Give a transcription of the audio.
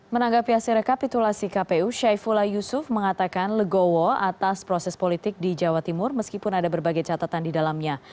menanggapi hasil rekapitulasi kpu syaifullah yusuf mengatakan legowo atas proses politik di jawa timur meskipun ada berbagai catatan di dalamnya